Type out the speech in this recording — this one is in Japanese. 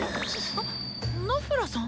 あ！ナフラさん？